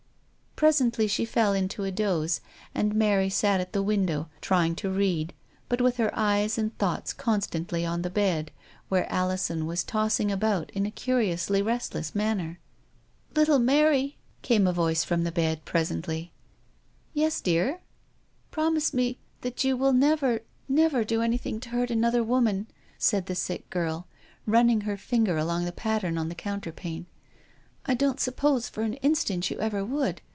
259 Presently she fell into a doze, and Mary sat at the window, trying to read, but with her eyes and thoughts constantly on the bed, where Alison was tossing about in a curiously restless manner. " Little Mary !" came a voice from the bed presently. " Yes, dear." " Promise me that you will never, never do anything to hurt another woman," said the/ sick girl, running her finger along the pattern/ on the counterpane. " I don't suppose for an instant you ever would.